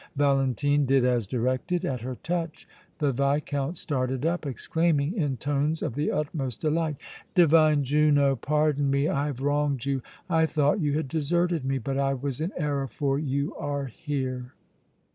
Valentine did as directed. At her touch the Viscount started up, exclaiming, in tones of the utmost delight: "Divine Juno, pardon me! I have wronged you! I thought you had deserted me, but I was in error, for you are here!"